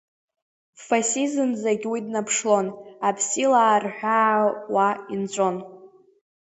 Фазисынӡагь уи днаԥшлон, Аԥсилаа рҳәаа уа инҵәон.